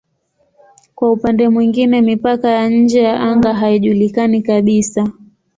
Kwa upande mwingine mipaka ya nje ya anga haijulikani kabisa.